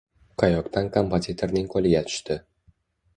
Qayoqdan kompozitorning qo‘liga tushdi.